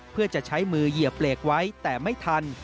เพื่อจะใช้มือเหยียบเหล็กไว้แต่ไม่ทัน